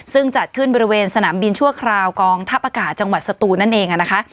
ซึ่งจัดขึ้นบริเวณสนามบินชั่วคราวกองทัพอากาศจังหวัดสตูนนั่นเองนะคะ